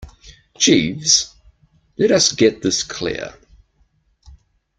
Jeeves, let us get this clear.